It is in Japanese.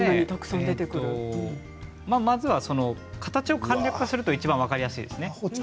まずは形を簡略化すると分かりやすいですね。